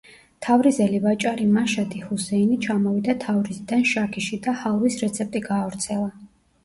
თავრიზელი ვაჭარი მაშადი ჰუსეინი ჩამოვიდა თავრიზიდან შაქიში და ჰალვის რეცეპტი გაავრცელა.